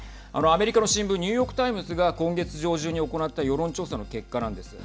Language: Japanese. アメリカの新聞ニューヨーク・タイムズが今月上旬に行った世論調査の結果なんです。